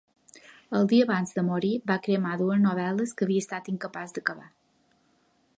El dia abans de morir va cremar dues novel·les que havia estat incapaç d'acabar.